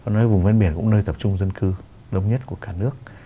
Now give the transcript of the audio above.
nói về vùng ven biển cũng là nơi tập trung dân cư đông nhất của cả nước